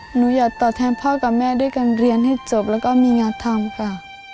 หนูอยากตอบแทนพ่อกับแม่ด้วยการเรียนให้จบแล้วก็มีงานทำค่ะ